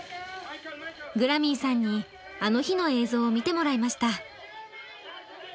グラミーさんに「あの日」の映像を見てもらいました。